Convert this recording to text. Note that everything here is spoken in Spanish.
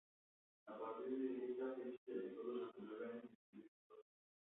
A partir de esta fecha se dedicó durante nueve años a escribir prosa.